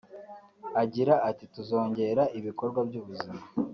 Agira ati ”Tuzongera ibikorwa by’ubuzima